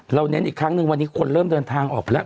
เน้นอีกครั้งหนึ่งวันนี้คนเริ่มเดินทางออกไปแล้ว